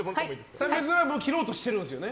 ３００ｇを切ろうとしてるんですよね？